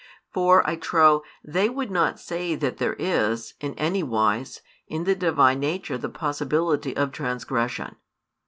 For, I trow, they would not say that there is, in anywise, in the Divine Nature the possibility of transgression.